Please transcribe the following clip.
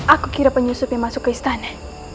aku kira penyusup yang masuk ke istana